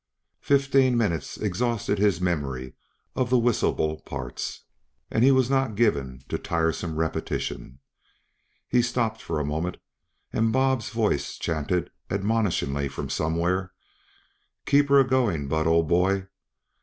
Fifteen minutes exhausted his memory of the whistleable parts, and he was not given to tiresome repetitions. He stopped for a moment, and Bob's voice chanted admonishingly from somewhere, "Keep her a go o ing, Bud, old boy!"